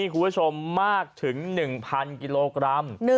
คุณผู้ชมมากถึง๑๐๐กิโลกรัม